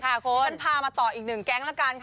ฉันพามาต่ออีกหนึ่งแก๊งละกันค่ะ